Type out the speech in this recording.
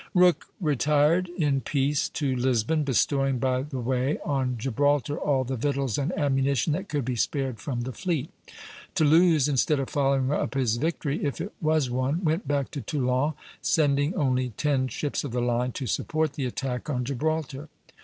Rooke retired in peace to Lisbon, bestowing by the way on Gibraltar all the victuals and ammunition that could be spared from the fleet. Toulouse, instead of following up his victory, if it was one, went back to Toulon, sending only ten ships of the line to support the attack on Gibraltar.